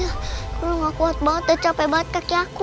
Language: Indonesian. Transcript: aku udah gak kuat banget udah capek banget kaki aku